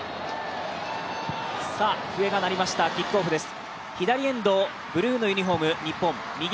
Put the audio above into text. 笛が鳴りました、キックオフです。